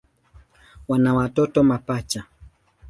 Wana watoto mapacha.